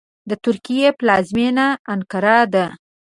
د ترکیې پلازمېنه انکارا ده .